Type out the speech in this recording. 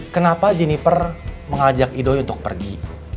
kenapa jeniper mengajak ido untuk pergi